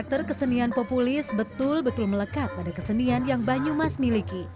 karakter kesenian populis betul betul melekat pada kesenian yang banyumas miliki